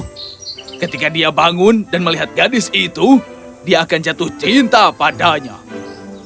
pergi ke sana pada malam hari dan oleskan sedikit jus di kelopak mata pria muda athena itu